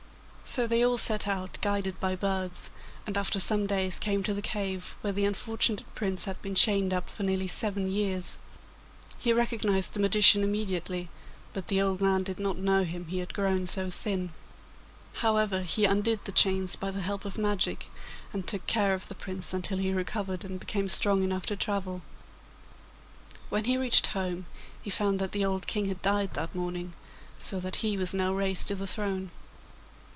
So they all set out, guided by birds, and after some days came to the cave where the unfortunate Prince had been chained up for nearly seven years. He recognised the magician immediately, but the old man did not know him, he had grown so thin. However, he undid the chains by the help of magic, and took care of the Prince until he recovered and became strong enough to travel. When he reached home he found that the old King had died that morning, so that he was now raised to the throne.